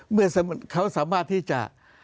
เมื่อเขาสามารถที่จะ